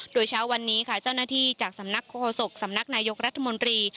โดยเช้าวันนี้ค่ะเจ้าหน้าที่จากสำนักโฆษกสำนักนายกรัฐมนตรี